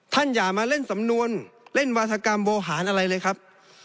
อย่ามาเล่นสำนวนเล่นวาธกรรมโบหารอะไรเลยครับ